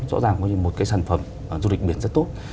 rõ ràng một cái sản phẩm du lịch biển rất tốt